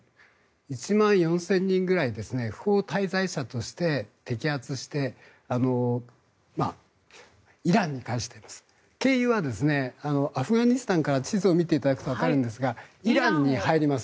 １万４０００人くらい不法滞在者として摘発してイランに対してです。経由はアフガニスタンの地図を見ればわかりますがイランに入ります。